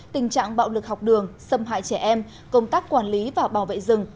tình trạng bạo lực học đường xâm hại trẻ em công tác quản lý và bảo vệ rừng